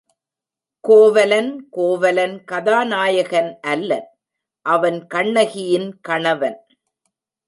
கோவலன் கோவலன் கதாநாயகன் அல்லன் அவன் கண்ணகியின் கணவன்.